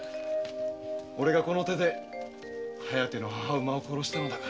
おれがこの手で「疾風」の母馬を殺したのだから。